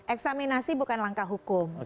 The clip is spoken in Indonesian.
eksaminasi bukan langkah hukum